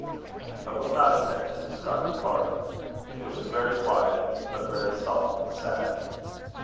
I will not attempt to describe the parting. It was very quiet, but very solemn and sad.